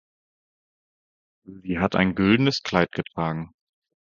Sie hat ein güldenes Kleid getragen.